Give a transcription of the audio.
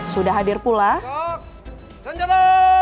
sudah hadir pula